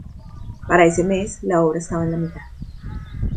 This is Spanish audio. Para ese mes la obra estaba en la mitad.